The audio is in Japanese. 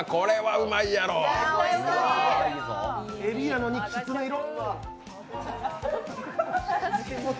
えびやのに、きつね色。